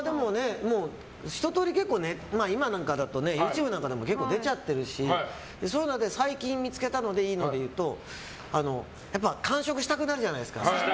一通り今なんかだとＹｏｕＴｕｂｅなんかでも結構出ちゃってるしそういうので最近見つけたのでいいのでいうとやっぱ間食したくなるじゃないですか。